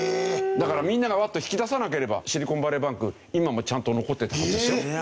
だからみんながワッと引き出さなければシリコンバレーバンク今もちゃんと残ってたはずですよ。